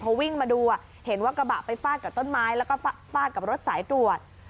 พอวิ่งมาดูเห็นว่ากระบะไปฟาดกับต้นไม้แล้วก็ฟาดกับรถสายตรวจ